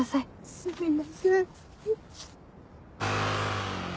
すみません。